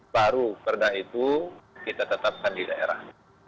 baru perda itu kita tetapkan di daerah